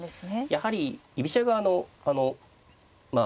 やはり居飛車側のまあ